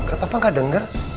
gak apa apa gak denger